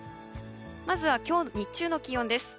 まずは今日日中の気温です。